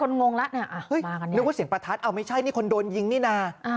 คนงงแล้วนึกว่าเสียงประทัดไม่ใช่นี่คนโดนยิงนี่น่า